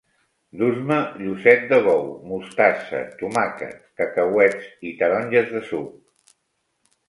Dus-me llucet de bou, mostassa, tomàquet, cacauets i taronges de suc